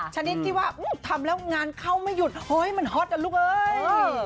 ชนิดที่ว่าทำแล้วงานเข้าไม่หยุดเฮ้ยมันฮอตอ่ะลูกเอ้ย